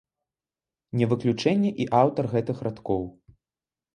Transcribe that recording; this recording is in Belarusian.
Не выключэнне і аўтар гэтых радкоў.